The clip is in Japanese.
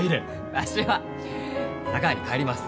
わしは佐川に帰ります。